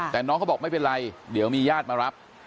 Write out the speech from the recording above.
แต่น้องเขาบอกไม่เป็นไรเดี๋ยวมีญาติมารับ